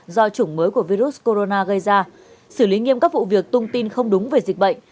do chủng mới của virus corona gây ra xử lý nghiêm các vụ việc tung tin không đúng về dịch bệnh